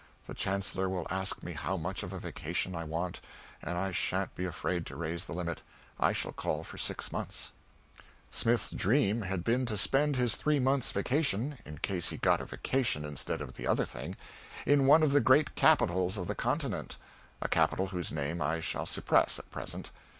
The chancellor will ask me how much of a vacation I want, and I sha'n't be afraid to raise the limit. I shall call for six months." [Sidenote: (1891)] [Sidenote: (1899)] Smith's dream had been to spend his three months' vacation in case he got a vacation instead of the other thing in one of the great capitals of the Continent a capital whose name I shall suppress, at present.